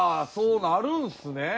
そうなるんすね。